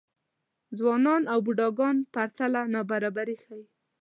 ځوانان او بوډاګان پرتله نابرابري ښيي.